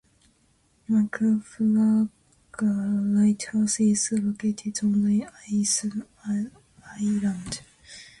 Muckle Flugga Lighthouse is located on the island.